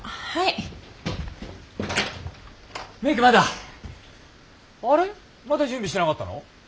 まだ準備してなかったの？